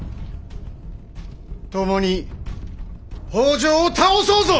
共に北条を倒そうぞ！